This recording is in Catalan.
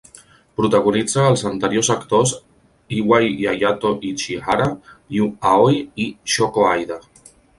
Protagonitza els anteriors actors Iwai Hayato Ichihara, Yu Aoi i Shoko Aida.